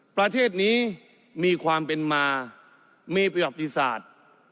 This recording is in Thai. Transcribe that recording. ประเทศนี้มีความเป็นมามีประวัติศาสตร์